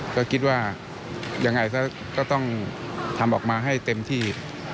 ก็คิดว่ายังไงซะก็ต้องทำออกมาให้เต็มที่